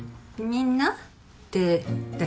「みんな」って誰？